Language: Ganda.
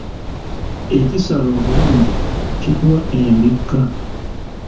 Ekisala obulungi, kikuwa embikka.